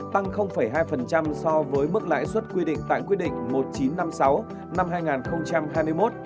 tăng hai so với mức lãi suất quy định tại quy định một nghìn chín trăm năm mươi sáu năm hai nghìn hai mươi một